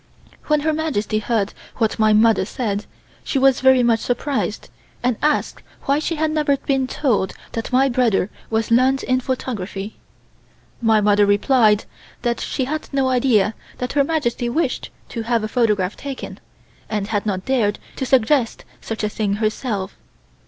When Her Majesty heard what my mother said, she was very much surprised, and asked why she had never been told that my brother was learned in photography. My mother replied that she had no idea that Her Majesty wished to have a photograph taken, and had not dared to suggest such a thing herself.